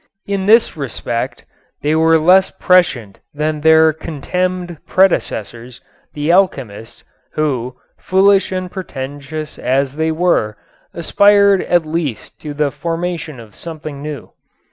In this respect they were less prescient than their contemned predecessors, the alchemists, who, foolish and pretentious as they were, aspired at least to the formation of something new.